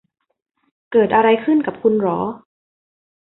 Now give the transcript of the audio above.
เกิดอะไรขึ้นกับคุณหรอ